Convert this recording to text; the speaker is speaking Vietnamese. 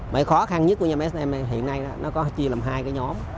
mấy khó khăn nhất của msm hiện nay nó có chia làm hai cái nhóm